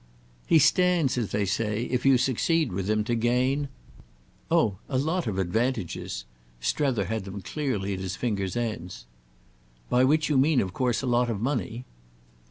"He stands, as they say, if you succeed with him, to gain—" "Oh a lot of advantages." Strether had them clearly at his fingers' ends. "By which you mean of course a lot of money."